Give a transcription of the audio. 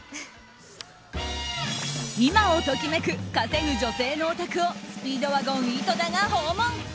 今を時めく稼ぐ女性のお宅をスピードワゴン井戸田が訪問。